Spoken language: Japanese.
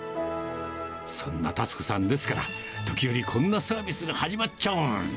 そんなたつ子さんですから、時折こんなサービスが始まっちゃう。